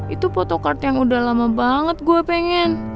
itu photocard yang udah lama banget gue pengen